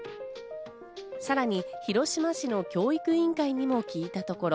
さらに広島市の教育委員会にも聞いたところ。